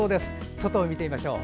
外を見てみましょう。